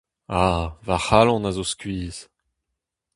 A, va c'halon a zo skuizh !